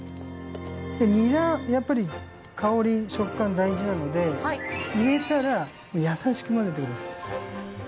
ニラはやっぱり香り食感大事なので入れたら優しく混ぜてください。